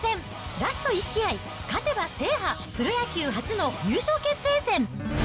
ラスト１試合、勝てば制覇、プロ野球初の優勝決定戦。